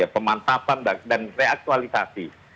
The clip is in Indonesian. pemantapan dan reaktualisasi